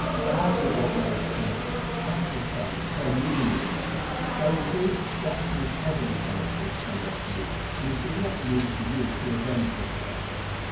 That was what made him and his son turn Unionists. So, you see, Jackson was heavily punished for his conduct to you, and it did not need for you to revenge yourself."